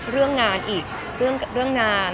เรื่องงานอีกเรื่องงาน